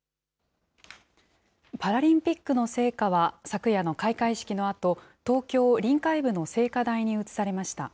パラリンピックの聖火は、昨夜の開会式のあと、東京・臨海部の聖火台に移されました。